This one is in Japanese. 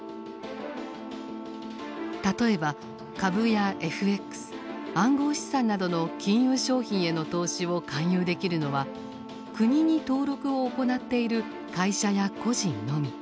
例えば株やＦＸ暗号資産などの金融商品への投資を勧誘できるのは国に登録を行っている会社や個人のみ。